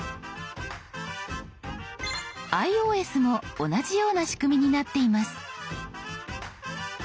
ｉＯＳも同じような仕組みになっています。